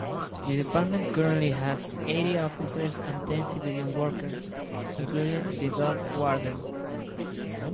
The department currently has eighty officers and ten civilian workers, including the dog warden.